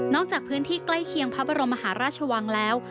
จากพื้นที่ใกล้เคียงพระบรมมหาราชวังแล้ว